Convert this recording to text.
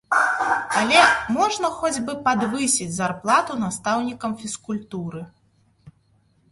Але можна хоць бы падвысіць зарплату настаўнікам фізкультуры?